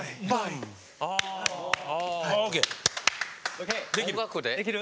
ＯＫできる。